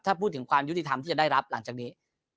ถ้าพูดถึงความยุติธรรมที่จะได้รับหลังจากนี้